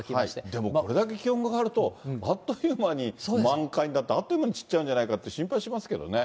でもこれだけ気温が上がると、あっという間に満開になって、あっという間に散っちゃうんじゃないかって心配しますけどね。